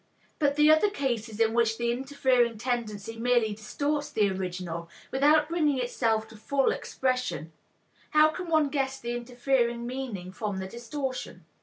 But the other cases in which the interfering tendency merely distorts the original, without bringing itself to full expression how can one guess the interfering meaning from the distortion?